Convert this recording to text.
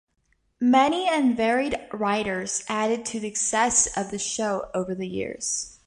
Many and varied writers added to the success of the show over the years.